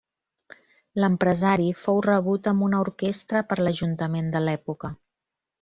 L’empresari fou rebut amb una orquestra per l’ajuntament de l’època.